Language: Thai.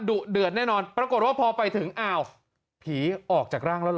ดุเดือดแน่นอนปรากฏว่าพอไปถึงอ้าวผีออกจากร่างแล้วเหรอ